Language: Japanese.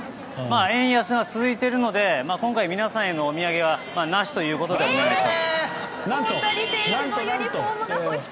円安が続いているので今回、皆さんへのお土産はなしということでお願いします。